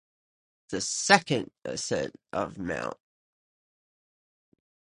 The second ascent of Mt.